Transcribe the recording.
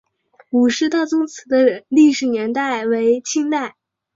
伍氏大宗祠的历史年代为清代。